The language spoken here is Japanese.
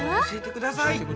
教えてください。